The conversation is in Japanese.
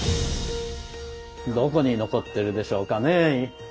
どこに残ってるでしょうかねぇ。